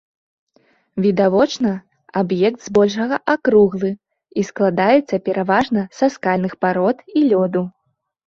Відавочна, аб'ект збольшага акруглы, і складаецца пераважна са скальных парод і лёду.